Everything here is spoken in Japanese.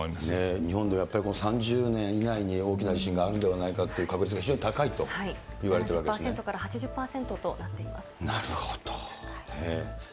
日本ではやっぱり３０年以内に大きな地震があるのではないかという確率が非常に高いといわれ７０％から８０％となっていなるほど。